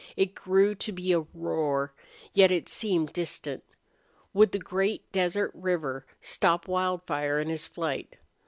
It grew to be a roar, yet it seemed distant. Would the great desert river stop Wildfire in his flight?